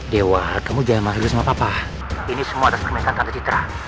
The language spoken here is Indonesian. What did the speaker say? dewa kamu jangan marah dulu sama papa ini semua atas permintaan tante citra